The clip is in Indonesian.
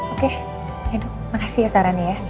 oke ya dok makasih ya sarannya ya